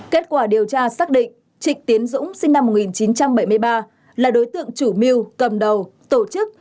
kết quả điều tra xác định trịnh tiến dũng sinh năm một nghìn chín trăm bảy mươi ba là đối tượng chủ mưu cầm đầu tổ chức